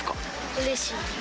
うれしい。